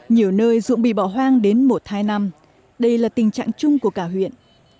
nhiều nơi rụng bị bỏ hoang đến một hai năm đây là tình trạng chung của cả huyện